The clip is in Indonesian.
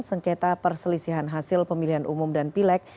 sengketa perselisihan hasil pemilihan umum dan pileg